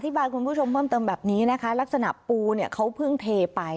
บายคุณผู้ชมเพิ่มเติมแบบนี้นะคะลักษณะปูเนี่ยเขาเพิ่งเทไป